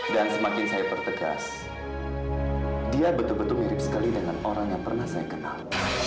dan semakin saya pertegas dia betul betul mirip sekali dengan orang yang pernah saya kenal